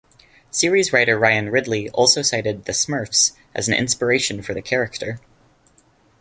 Series writer Ryan Ridley also cited "The Smurfs" as an inspiration for the character.